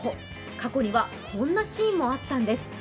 過去にはこんなシーンもあったんです。